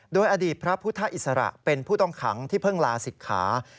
โดยอดีตพระพุทธอิสระเป็นผู้ต้องขังที่เพิ่งลาศิกขา